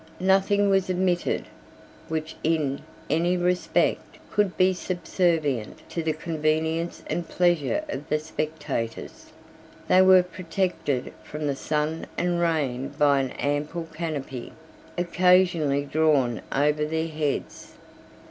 94 Nothing was omitted, which, in any respect, could be subservient to the convenience and pleasure of the spectators. They were protected from the sun and rain by an ample canopy, occasionally drawn over their heads.